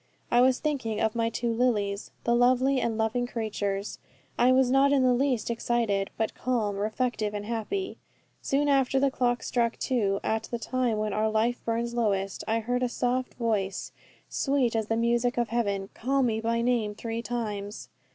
I was thinking of my two Lilies, the lovely and loving creatures. I was not in the least excited, but calm, reflective, and happy. Soon after the clock struck two, at the time when our life burns lowest, I heard a soft voice, sweet as the music of heaven, call me by name three times.